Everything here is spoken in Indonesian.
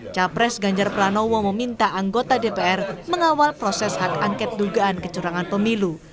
capres ganjar pranowo meminta anggota dpr mengawal proses hak angket dugaan kecurangan pemilu